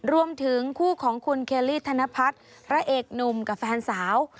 รวมถึงคู่ของคุณเคลลี่ธนพัฒน์พระเอกหนุ่มกับแฟนสาว